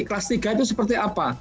kelas tiga itu seperti apa